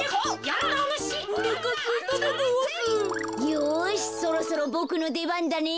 よしそろそろボクのでばんだね。